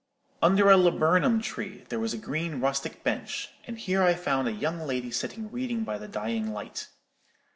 Under a laburnum tree there was a green rustic bench; and here I found a young lady sitting reading by the dying light.